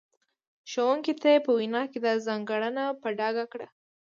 ښوونکو ته یې په وینا کې دا ځانګړنه په ډاګه کړه.